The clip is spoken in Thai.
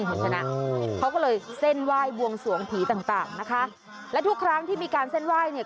คุณชนะเขาก็เลยเส้นไหว้บวงสวงผีต่างต่างนะคะและทุกครั้งที่มีการเส้นไหว้เนี่ย